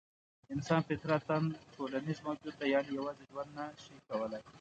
انسان فطرتاً ټولنیز موجود دی؛ یعنې یوازې ژوند نه شي کولای.